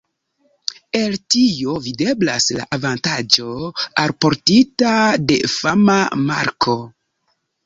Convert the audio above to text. El tio videblas la avantaĝo alportita de fama marko.